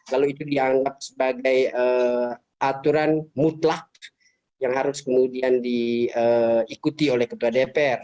lalu itu dianggap sebagai aturan mutlak yang harus kemudian diikuti oleh ketua dpr